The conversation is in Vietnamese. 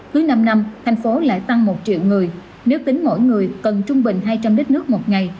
thứ năm năm tp hcm lại tăng một triệu người nếu tính mỗi người cần trung bình hai trăm linh đích nước một ngày